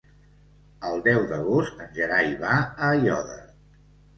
El deu d'agost en Gerai va a Aiòder.